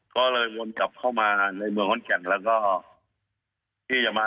เขาเลยมนต์จับเข้ามาในเมืองฮ้